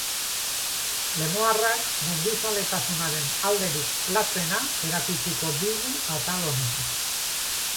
Lemoarrak mendizaletasunaren alderik latzena erakutsiko digu atal honetan.